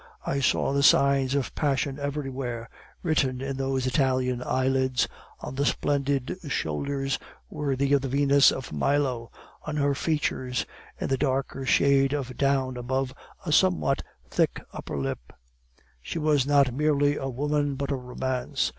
I saw the signs of passion everywhere, written on those Italian eyelids, on the splendid shoulders worthy of the Venus of Milo, on her features, in the darker shade of down above a somewhat thick under lip. She was not merely a woman, but a romance.